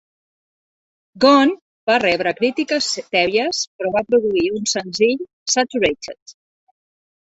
"Gone" va rebre critiques tèbies, però va produir un senzill, "Saturated".